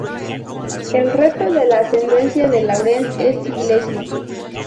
El resto de la ascendencia de Lauren es inglesa.